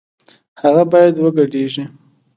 هغه بايد وګډېږي